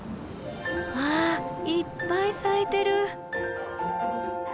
わあいっぱい咲いている！